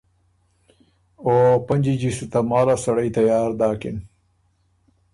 او پنجی جیستُو تماله سړئ تیار داکِن